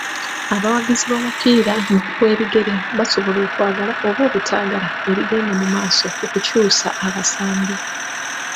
Abawagizi b'omupiira gw'ebigere basobola okwagala oba obutaagala ebigenda mu maaso ku kukyusa abasambi.